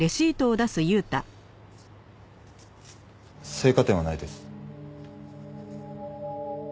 青果店はないです。